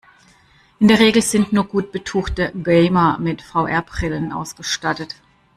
In der Regel sind nur gut betuchte Gamer mit VR-Brillen ausgestattet.